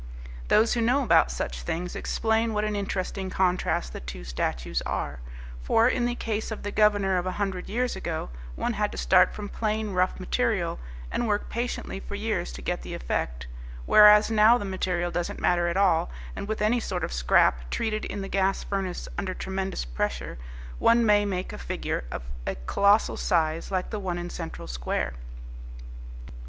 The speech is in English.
Those who know about such things explain what an interesting contrast the two statues are; for in the case of the governor of a hundred years ago one had to start from plain, rough material and work patiently for years to get the effect, whereas now the material doesn't matter at all, and with any sort of scrap, treated in the gas furnace under tremendous pressure, one may make a figure of colossal size like the one in Central Square.